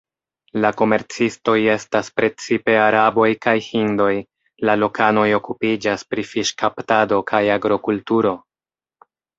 La komercistoj estas precipe araboj kaj hindoj; la lokanoj okupiĝas pri fiŝkaptado kaj agrokulturo.